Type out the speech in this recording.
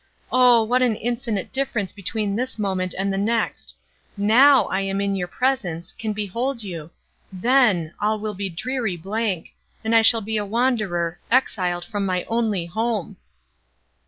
O! what an infinite difference between this moment and the next!—now, I am in your presence, can behold you! then, all will be a dreary blank—and I shall be a wanderer, exiled from my only home!"